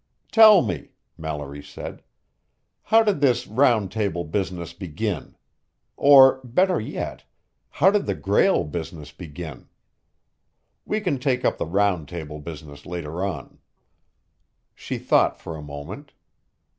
"Tell me," Mallory said, "how did this Round Table business begin? Or, better yet, how did the Grail business begin? We can take up the Round Table business later on." She thought for a moment.